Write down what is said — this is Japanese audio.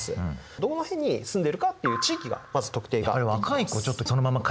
どの辺に住んでるかっていう地域がまず特定ができます。